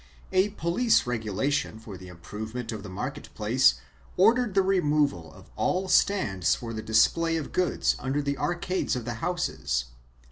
A police regulation for the improvement of the market place ordered the removal of all stands for the display of goods under the arcades of the houses.